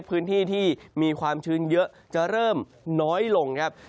พื้นที่ที่มีความชื้นเยอะจะเริ่มน้อยลงครับ